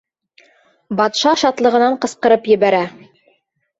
Батша шатлығынан ҡысҡырып ебәрә: